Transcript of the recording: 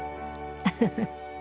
フフフッ。